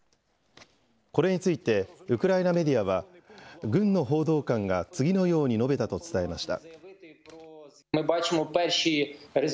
これについて、ウクライナメディアは、軍の報道官が次のように述べたと伝えました。